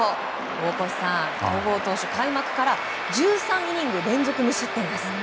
大越さん、戸郷投手開幕から１３イニング連続無失点です。